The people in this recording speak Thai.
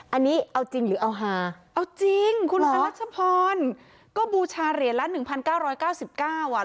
อันนี้เอาจริงหรือเอาหาเอาจริงคุณพระรัชพรก็บูชาเหรียญละหนึ่งพันเก้าร้อยเก้าสิบเก้าอ่ะ